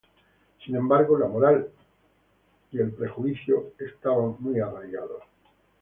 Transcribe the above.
Sin embargo, la moral cristiana y el prejuicio estaban muy arraigados.